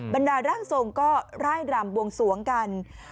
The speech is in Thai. บรรดาร่างทรงก็ร่ายรำบวงสวงกัน